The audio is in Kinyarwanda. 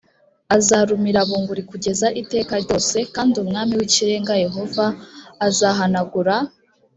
azarumira bunguri kugeza iteka ryose j kandi umwami w ikirenga yehova azahanagura